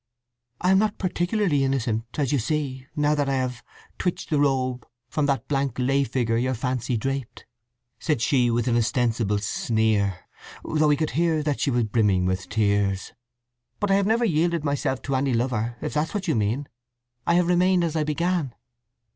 "I am not particularly innocent, as you see, now that I have 'twitched the robe From that blank lay figure your fancy draped,'" said she, with an ostensible sneer, though he could hear that she was brimming with tears. "But I have never yielded myself to any lover, if that's what you mean! I have remained as I began."